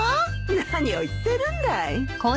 何を言ってるんだい。